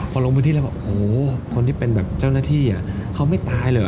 พอลงพื้นที่แล้วบอกโหคนที่เป็นแบบเจ้าหน้าที่เขาไม่ตายเลยเห